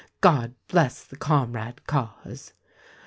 God bless the Comrade cause!"